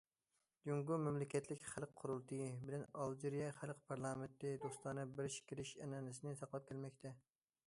جۇڭگو مەملىكەتلىك خەلق قۇرۇلتىيى بىلەن ئالجىرىيە خەلق پارلامېنتى دوستانە بېرىش- كېلىش ئەنئەنىسىنى ساقلاپ كەلمەكتە.